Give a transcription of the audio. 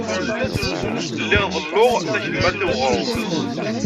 Lliɣ ḍelluɣ takemmart i weɣrum.